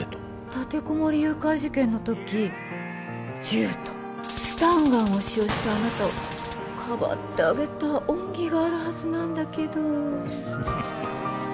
立てこもり誘拐事件の時銃とスタンガンを使用したあなたをかばってあげた恩義があるはずなんだけどフフフフ